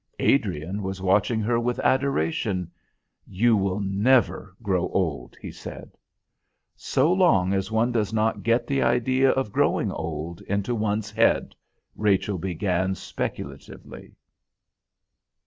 Adrian was watching her with adoration. "You will never grow old," he said. "So long as one does not get the idea of growing old into one's head," Rachel began speculatively....